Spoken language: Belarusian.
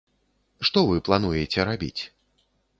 Што вы плануеце рабіць?